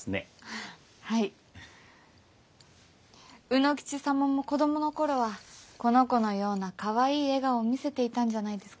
卯之吉様も子どものころはこの子のようなかわいい笑顔を見せていたんじゃないですか？